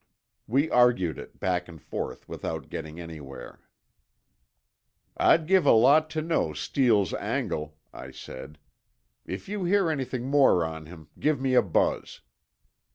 We argued it back and forth without getting anywhere. "I'd give a lot to know Steele's angle," I said. "If you hear anything more on him, give me a buzz."